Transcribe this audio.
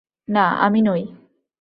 না, আমি নই।